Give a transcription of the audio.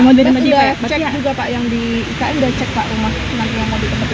mas udah cek juga pak yang di ikai udah cek pak rumah nanti yang mau dikembali